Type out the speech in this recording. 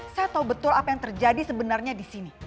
saya tahu betul apa yang terjadi sebenarnya di sini